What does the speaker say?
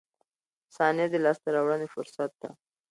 • ثانیه د لاسته راوړنې فرصت ده.